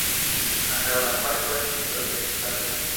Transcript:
Ankaŭ la parko estas protektata.